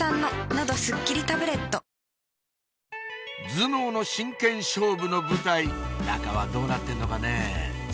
頭脳の真剣勝負の舞台中はどうなってんのかねぇ？